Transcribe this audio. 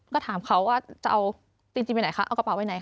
ก็ถามเคาน์จะเอาตีนทีนไปไหน